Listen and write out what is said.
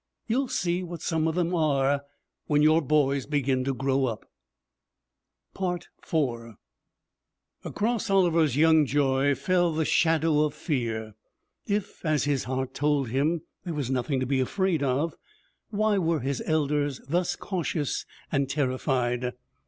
You'll see what some of them are when your boys begin to grow up.' IV Across Oliver's young joy fell the shadow of fear. If, as his heart told him, there was nothing to be afraid of, why were his elders thus cautious and terrified?